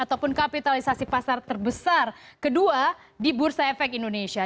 ataupun kapitalisasi pasar terbesar kedua di bursa efek indonesia